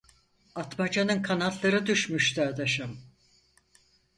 Atmaca'nın kanatları düşmüştü adaşım.